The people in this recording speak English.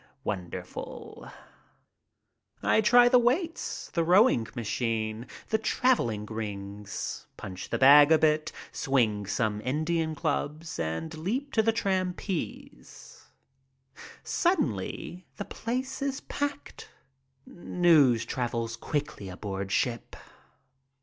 Wonderful! I try the weights, the rowing machine, the traveling rings, punch the bag a bit, swing some Indian clubs, and leap to the trapeze. Suddenly the place is packed. News travels quickly aboard ship.